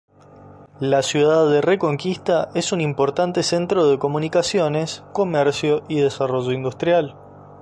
La ciudad de Reconquista es un importante centro de comunicaciones, comercio y desarrollo industrial.